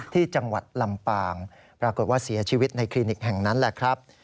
ที่จังหวัดลำปางปรากฏว่าเสียชีวิตในคลินิกแห่งนั้นแหละครับ